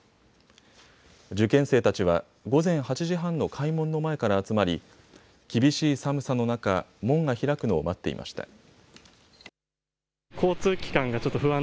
受験生たちは午前８時半の開門の前から集まり厳しい寒さの中、門が開くのを待っていました。